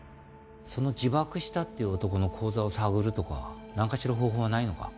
その自爆したっていう男の口座を探るとか何かしら方法はないのか？